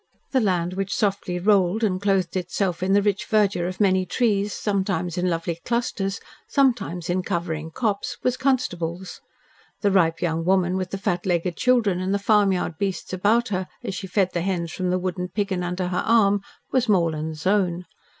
The land which softly rolled and clothed itself in the rich verdure of many trees, sometimes in lovely clusters, sometimes in covering copse, was Constable's; the ripe young woman with the fat legged children and the farmyard beasts about her, as she fed the hens from the wooden piggin under her arm, was Morland's own.